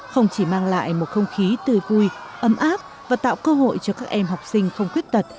không chỉ mang lại một không khí tươi vui ấm áp và tạo cơ hội cho các em học sinh không khuyết tật